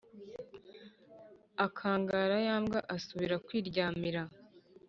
akangara ya mbwa, asubira kwiryamira.